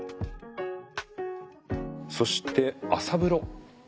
そして朝風呂。